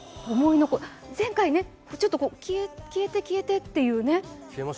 前回、ちょっと消えて、消えてというね。